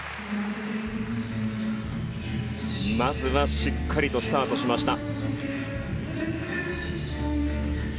まずはしっかりとスタートしました。